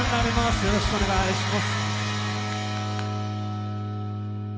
よろしくお願いします。